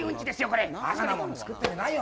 これバカなもん作ってんじゃないよ